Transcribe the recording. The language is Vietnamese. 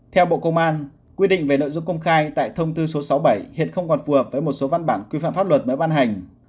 theo bộ công an quy định về nội dung công khai tại thông tư số sáu mươi bảy hiện không còn phù hợp với một số văn bản quy phạm pháp luật mới ban hành